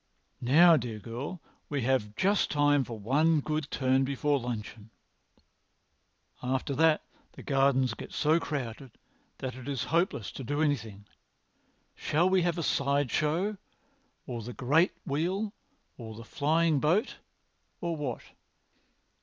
Now, dear girl, we have just time for one good turn before luncheon. After that the gardens get so crowded that it is hopeless to do anything. Shall we have a side show, or the great wheel, or the flying boat, or what?"